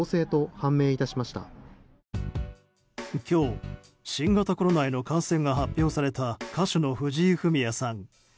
今日、新型コロナへの感染が発表された歌手の藤井フミヤさん。